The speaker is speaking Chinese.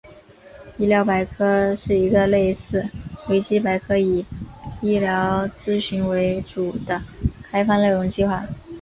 医疗百科是一个类似维基百科以医疗资讯为主的开放内容计划。